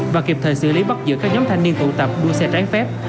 và kịp thời xử lý bắt giữa các nhóm thanh niên tụ tập đua xe tráng phép